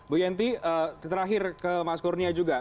bu yenti terakhir ke mas kurnia juga